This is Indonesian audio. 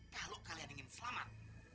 kalau kalian ingin selamat